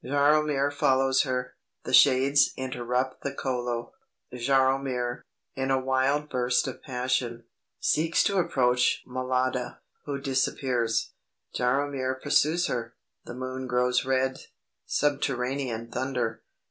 Jaromir follows her. The shades interrupt the Kolo. Jaromir, in a wild burst of passion, seeks to approach Mlada, who disappears. Jaromir pursues her. The moon grows red. Subterranean thunder.